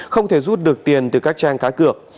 không thể rút được tiền từ các trang cá cược